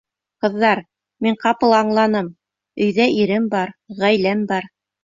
Ҡыҙҙар, мин ҡапыл аңланым: өйҙә ирем бар, ғаиләм бар.